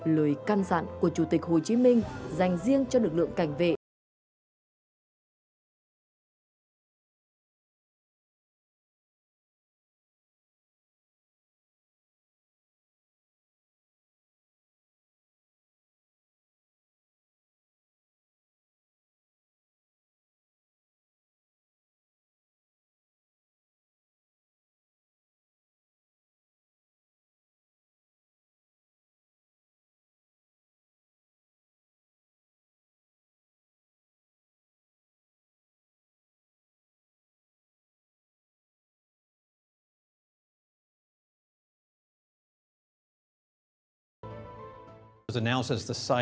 lời căn dặn của chủ tịch hồ chí minh dành riêng cho lực lượng cảnh vệ